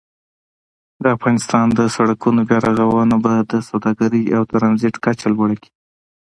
د افغانستان د سړکونو بیا رغونه به د سوداګرۍ او ترانزیت کچه لوړه کړي.